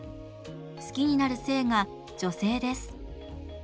好きになる性が女性です。